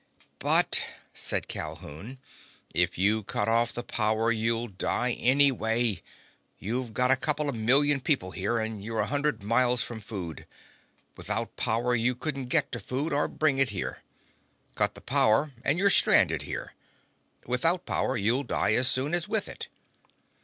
"But," said Calhoun, "if you cut off the power you'll die anyway! You've got a couple of million people here, and you're a hundred miles from food. Without power you couldn't get to food or bring it here. Cut the power and you're still stranded here. Without power you'll die as soon as with it."